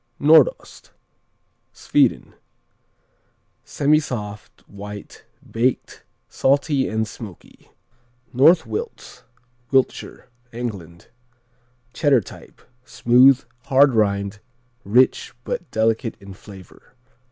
Nordost Sweden Semisoft; white; baked; salty and smoky. North Wilts Wiltshire, England Cheddar type; smooth; hard rind; rich but delicate in flavor.